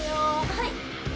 はい！